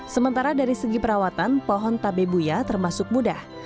sementara dari segi perawatan pohon tabebuya termasuk mudah